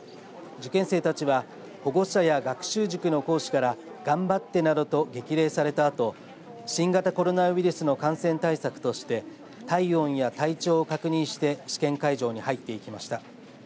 受験生たちは保護者や学習塾の講師から頑張ってなどと激励されたあと新型コロナウイルスの感染対策として体温や体調を確認して試験会場に入ってきました。